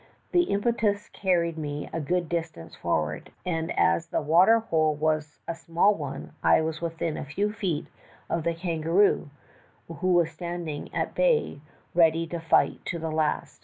The impetus carried me a good distance forward, and as the water hole was a small one I was within a few feet of the kangaroo, who was standing at bay ready to fight to the last.